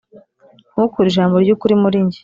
Ntukure ijambo ryukuri murinjye